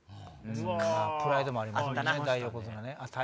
プライドもありますもんね。